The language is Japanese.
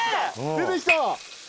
出てきた。